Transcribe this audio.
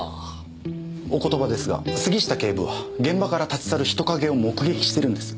お言葉ですが杉下警部は現場から立ち去る人影を目撃してるんです。